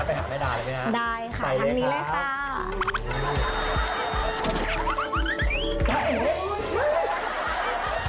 เออไปหาแม่ดาแล้วกันนะครับ